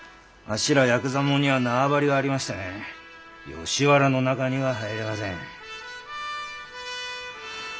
やくざもんには縄張りがありましてね吉原の中には入れません。